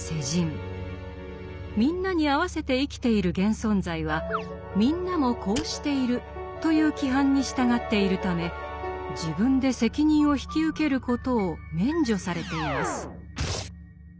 「みんな」に合わせて生きている現存在は「みんなもこうしている」という規範に従っているため自分で責任を引き受けることを免除されています。